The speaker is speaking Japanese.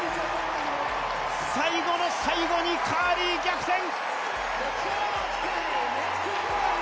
最後の最後にカーリー逆転！